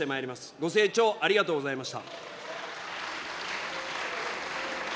ご静聴ありがとうございました。